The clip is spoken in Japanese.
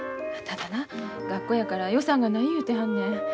ただな学校やから予算がない言うてはんねん。